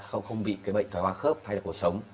không bị cái bệnh thói hóa khớp hay là cuộc sống